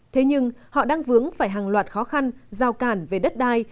thế nhưng họ đang vướng phải hàng loạt khó khăn giao cản về đất đai